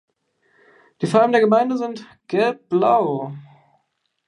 Die Farben der Gemeinde sind: Gelb-Blau.